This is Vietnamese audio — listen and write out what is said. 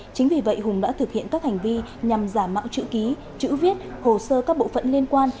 chính vì vậy hùng đã thực hiện các hành vi nhằm giả mạo chữ ký chữ viết hồ sơ các bộ phận liên quan